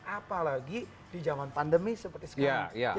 apalagi di zaman pandemi seperti sekarang